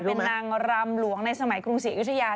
เป็นนางรำหลวงในสมัยกรุงศรีอยุธยา